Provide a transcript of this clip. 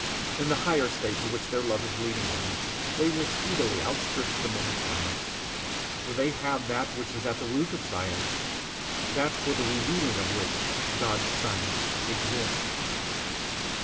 In the higher state to which their love is leading them, they will speedily outstrip the men of science, for they have that which is at the root of science, that for the revealing of which God's science exists.